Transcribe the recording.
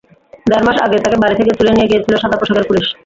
দেড় মাস আগে তাঁকে বাড়ি থেকে তুলে নিয়ে গিয়েছিল সাদাপোশাকের পুলিশ।